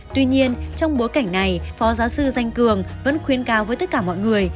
tuy nhiên trong bối cảnh này phó giáo sư danh cường vẫn khuyên cao với tất cả mọi người